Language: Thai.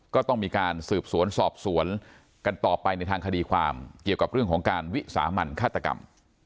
ก็ต้องมีการสืบสวนสอบสวนกันต่อไปในทางคดีความเกี่ยวกับเรื่องของการวิสามันฆาตกรรม